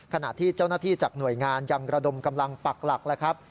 ขณะที่เจ้าหน้าที่จากหน่วยงานยังระดมกำลังปักหลักแล้วครับ